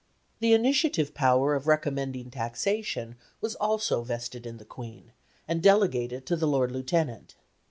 The initiative power of recommending taxation was also vested in the Queen, and delegated to the Lord Lieutenant.